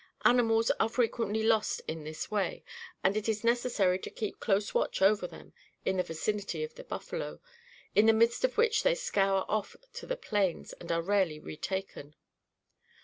Animals are frequently lost in this way; and it is necessary to keep close watch over them, in the vicinity of the buffalo, in the midst of which they scour off to the plains, and are rarely retaken.